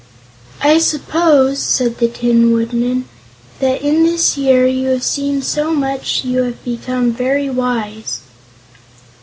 "I suppose," said the Tin Woodman, "that in this year you have seen so much that you have become very wise."